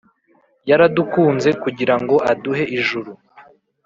Yaradukunze kugira ngo aduhe ijuru